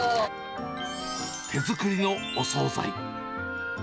手作りのお総菜。